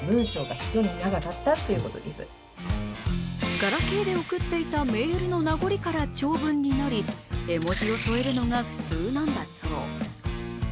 ガラケーで送っていたメールのなごりから、長文になり、絵文字を添えるのが普通なんだそう。